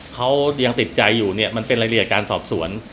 เขายังติดใจอยู่เนี่ยมันเป็นรายละเอียดการสอบสวน